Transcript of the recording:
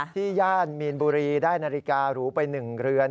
ย่านมีนบุรีได้นาฬิการูไป๑เรือน